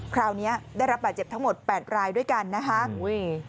คราวนี้ได้รับบาดเจ็บทั้งหมดแปดรายด้วยกันนะคะอุ้ย